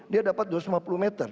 dia dapat dua ratus lima puluh meter